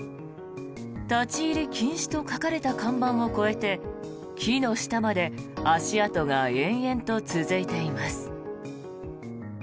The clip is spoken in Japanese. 立ち入り禁止と書かれた看板を越えて木の下まで足跡が延々と続いています。